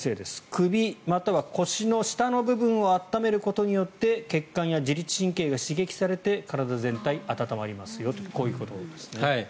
首または腰の下の部分を温めることによって血管や自律神経が刺激されて体全体温まりますよということです。